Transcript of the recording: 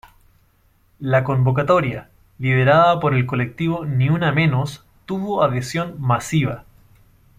La convocatoria, liderada por el colectivo Ni Una Menos, tuvo adhesión masiva.